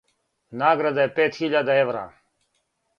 Награда је пет хиљада евра.